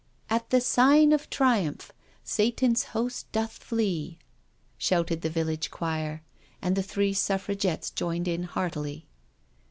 <c At the sign of triumph 1 Satan's host doth flee^" shouted the village choir, and the three Suffragettes joined in heartily.